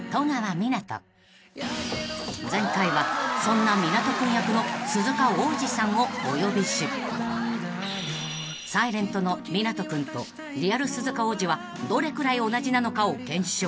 ［前回はそんな湊斗君役の鈴鹿央士さんをお呼びし『ｓｉｌｅｎｔ』の湊斗君とリアル鈴鹿央士はどれくらい同じなのかを検証］